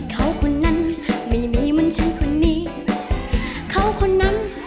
ใจรองได้ช่วยกันรองด้วยนะคะ